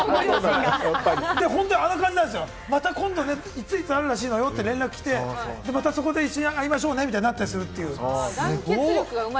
本当にあの感じなんですよね、いついつあるらしいのよって連絡が来て、また会いましょうね、みたいになったりするという。